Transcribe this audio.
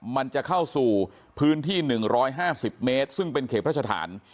มันจะเข้าสู่พื้นที่๑๕๐เมตรซึ่งเป็นเขตพระสถาน